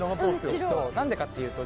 何でかっていうと。